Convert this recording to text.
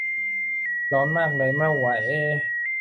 ร้อนมากเลย ไม่ไหว